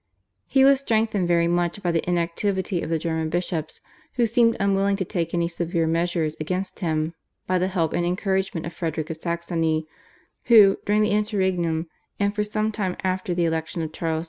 He was strengthened very much by the inactivity of the German bishops, who seemed unwilling to take any severe measures against him, by the help and encouragement of Frederick of Saxony, who, during the interregnum and for some time after the election of Charles V.